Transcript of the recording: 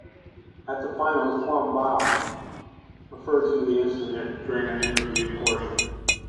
At the finals, Quiambao referred to the incident during an interview portion.